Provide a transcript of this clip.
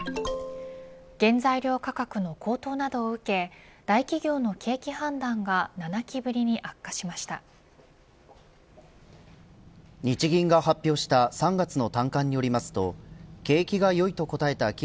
原材料価格の高騰などを受け大企業の景気判断が７期ぶりに悪化しました。